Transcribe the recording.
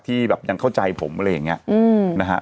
แบบยังเข้าใจผมอะไรอย่างนี้นะฮะ